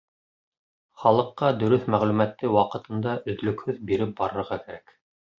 Халыҡҡа дөрөҫ мәғлүмәтте ваҡытында, өҙлөкһөҙ биреп барырға кәрәк.